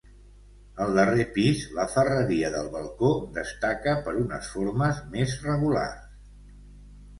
Al darrer pis la ferreria del balcó destaca per unes formes més regulars.